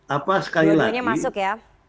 apa sekali lagi